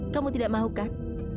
kamu tidak maukan